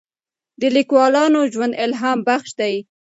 د لیکوالانو ژوند الهام بخش دی.